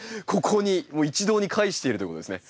ここにもう一堂に会しているということですね。